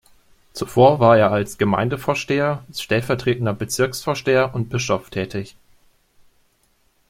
Zuvor war er als Gemeindevorsteher, stellvertretender Bezirksvorsteher und Bischof tätig.